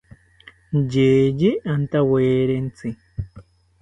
Yeye antawerentzi